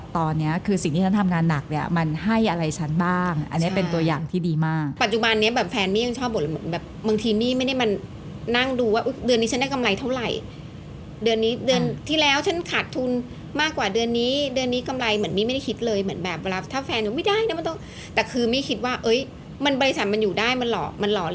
ตัวอย่างที่ดีมากปัจจุบันนี้แบบแฟนมี่ยังชอบบทแบบบางทีมี่ไม่ได้มานั่งดูว่าอุ๊ยเดือนนี้ฉันได้กำไรเท่าไหร่เดือนนี้เดือนที่แล้วฉันขาดทุนมากกว่าเดือนนี้เดือนนี้กำไรเหมือนมี่ไม่ได้คิดเลยเหมือนแบบเวลาถ้าแฟนไม่ได้แล้วมันต้องแต่คือมี่คิดว่าเอ้ยมันบริษัทมันอยู่ได้มันหล่อมันหล่